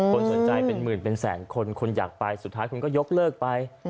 คนสนใจเป็นหมื่นเป็นแสนคนคุณอยากไปสุดท้ายคุณก็ยกเลิกไป